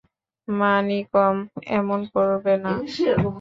মানিকম, এমন করবে না।